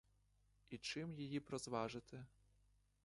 І чим її б розважити?